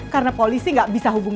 karena polisi gak bisa hubungin bapak